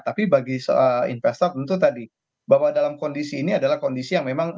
tapi bagi investor tentu tadi bahwa dalam kondisi ini adalah kondisi yang memang